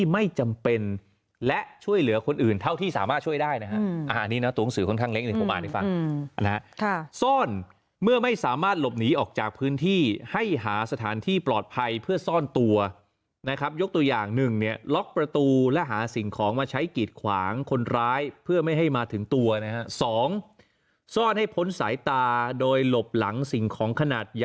ไม่จำเป็นและช่วยเหลือคนอื่นเท่าที่สามารถช่วยได้นะฮะอันนี้นะตัวหนังสือค่อนข้างเล็กหนึ่งผมอ่านให้ฟังนะฮะซ่อนเมื่อไม่สามารถหลบหนีออกจากพื้นที่ให้หาสถานที่ปลอดภัยเพื่อซ่อนตัวนะครับยกตัวอย่างหนึ่งเนี่ยล็อกประตูและหาสิ่งของมาใช้กีดขวางคนร้ายเพื่อไม่ให้มาถึงตัวนะฮะ๒ซ่อนให้พ้นสายตาโดยหลบหลังสิ่งของขนาดย